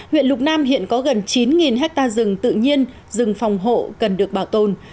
huyện lục nam hiện có gần chín hectare rừng tự nhiên rừng phòng hộ cần được bảo tồn